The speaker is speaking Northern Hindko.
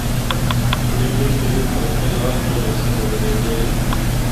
نیلے، پیلے تے رتّے لال پّھل اکثر نظریندے ہن۔